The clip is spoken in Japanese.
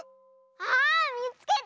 ああっみつけた！